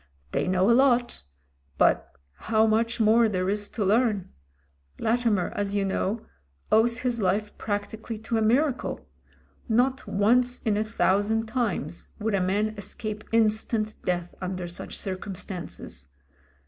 They know a lot — ^but how much more there is to learn I Latimer, as you know, owes his life practically to a miracle. Not once in a thousand times would a man escape instant death under such circumstances.